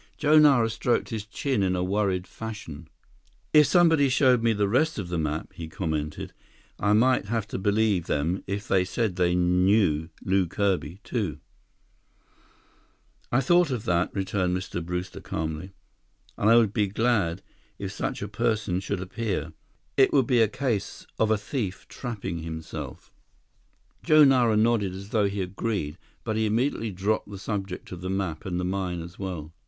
Joe Nara stroked his chin in worried fashion. "If somebody showed me the rest of the map," he commented, "I might have to believe them if they said they knew Lew Kirby, too." "I thought of that," returned Mr. Brewster calmly, "and I would be glad if such a person should appear. It would be a case of a thief trapping himself." Joe Nara nodded as though he agreed; but he immediately dropped the subject of the map and the mine as well.